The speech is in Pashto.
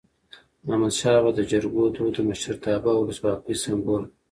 احمد شاه بابا د جرګو دود د مشرتابه او ولسواکی سمبول کړ.